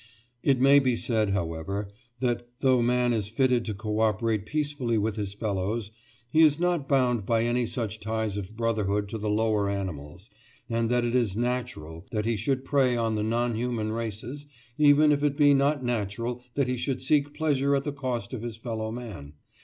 It may be said, however, that though man is fitted to co operate peacefully with his fellows, he is not bound by any such ties of brotherhood to the lower animals, and that it is "natural" that he should prey on the non human races, even if it be not natural that he should seek pleasure at the cost of his fellow man.